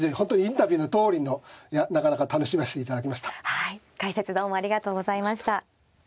はい解説どうもありがとうございました。